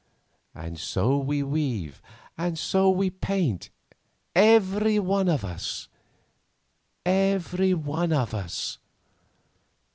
And so we weave, and so we paint, every one of us—every one of us."